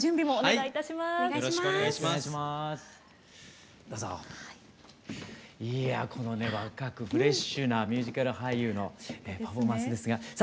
いやこのね若くフレッシュなミュージカル俳優のパフォーマンスですが。ですね。